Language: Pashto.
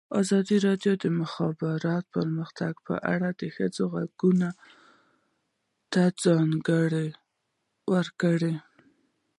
ازادي راډیو د د مخابراتو پرمختګ په اړه د ښځو غږ ته ځای ورکړی.